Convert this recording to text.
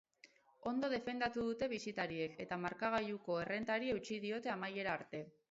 Ondo defendatu dute bisitariek, eta markagailuko errentari eutsi diote amaiera arte.